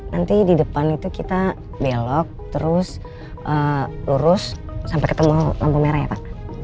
nanti di depan itu kita belok terus lurus sampai ketemu lampu merah ya pak